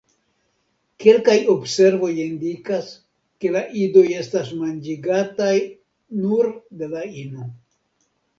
Kelkaj observoj indikas ke la idoj estas manĝigataj nur de la ino.